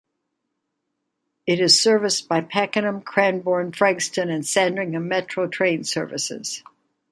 It is serviced by Pakenham, Cranbourne, Frankston, and Sandringham Metro Trains' services.